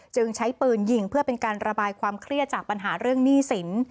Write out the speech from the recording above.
จึงใช้ปืนยิงเพื่อเป็นการระบายความเครียดจากปัญหาเรื่องหนี้สิน